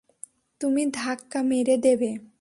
তুমি ধাক্কা মেরে দেবে!